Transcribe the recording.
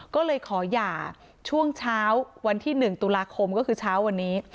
ก็เลยขอหย่าช่วงเช้าวันที่๑ตุลาคมก็คือเช้าวันนี้